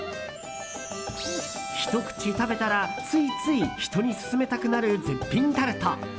ひと口食べたらついつい人に勧めたくなる絶品タルト。